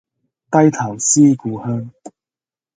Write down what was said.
低頭思故鄉